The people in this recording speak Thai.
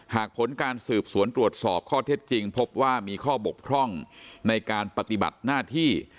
หากผลการสืบสวนตรวจสอบข้อเท็จจริงพบว่ามีข้อบกพร่องในการปฏิบัติหน้าที่